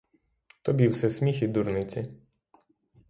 Тобі все сміх і дурниці.